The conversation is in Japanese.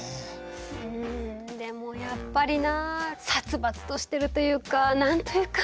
うんでもやっぱりなあ殺伐としてるというか何と言うか。